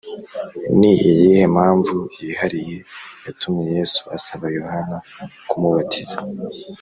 Ni iyihe mpamvu yihariye yatumye Yesu asaba Yohana kumubatiza .